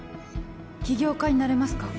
起業家になれますか？